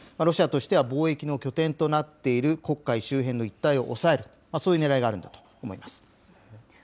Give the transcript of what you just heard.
ロシアとしては貿易の拠点となっている黒海周辺の一帯を押さえると、そういうねらいがあるんだと思います。